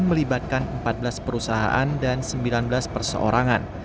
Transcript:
melibatkan empat belas perusahaan dan sembilan belas perseorangan